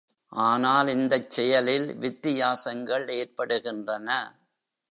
ஆனால், இந்தச் செயலில் வித்தியாசங்கள் ஏற்படுகின்றன.